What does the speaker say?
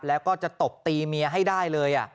แล้วก็จะตบตีเมียให้ได้เลย